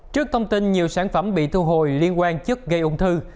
trước thông tin nhiều sản phẩm bị thu hồi liên quan chất gây ung thư